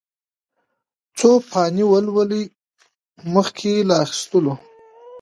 څو پاڼې ولولئ مخکې له اخيستلو.